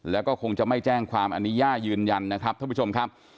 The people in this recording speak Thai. แล้วก็คงจะไม่แจ้งความอันนี้ย่ายืนยันนะครับท่านผู้ชมครับ